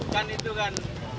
kan itu kan